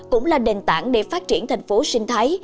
cũng là nền tảng để phát triển thành phố sinh thái